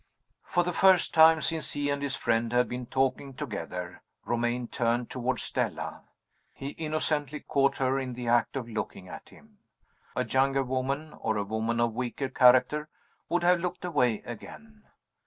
For the first time since he and his friend had been talking together, Romayne turned toward Stella. He innocently caught her in the act of looking at him. A younger woman, or a woman of weaker character, would have looked away again.